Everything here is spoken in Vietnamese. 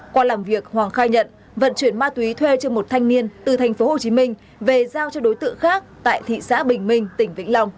qua làm việc hoàng khai nhận vận chuyển ma túy thuê cho một thanh niên từ tp hcm về giao cho đối tượng khác tại thị xã bình minh